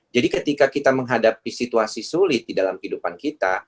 jadi ketika kita menghadapi situasi sulit di dalam kehidupan kita